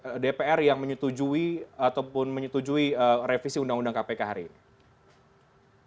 apa yang dpr ri yang menyetujui ataupun menyetujui revisi undang undang kpk hari ini